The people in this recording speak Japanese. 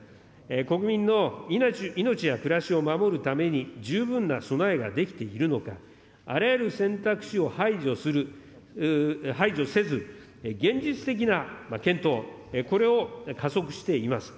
国民の命や暮らしを守るために十分な備えができているのか、あらゆる選択肢を排除せず、現実的な検討、これを加速しています。